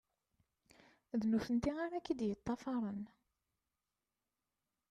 D nutenti ara ak-id-ṭṭafern.